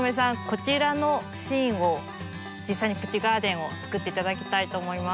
こちらのシーンを実際にプチガーデンをつくっていただきたいと思います。